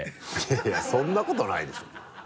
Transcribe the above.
いやいやそんなことないでしょ。